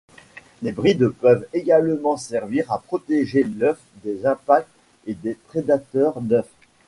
Les brides peuvent également servir à protéger l'œuf des impacts et des prédateurs d'œufs.